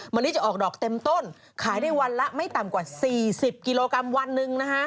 ลิจะออกดอกเต็มต้นขายได้วันละไม่ต่ำกว่า๔๐กิโลกรัมวันหนึ่งนะฮะ